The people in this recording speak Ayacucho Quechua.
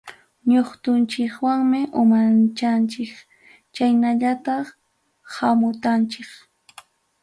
Ñutqunchikwanmi umanchanchik chaynallataq hamutanchik.